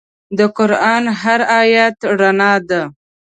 د قرآن هر آیت رڼا ده.